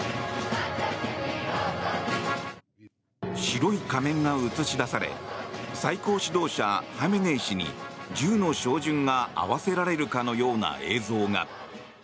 白い仮面が映し出され最高指導者ハメネイ師に銃の照準が合わせられるかのような映像が。